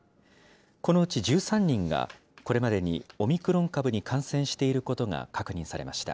このうち１３人が、これまでにオミクロン株に感染していることが確認されました。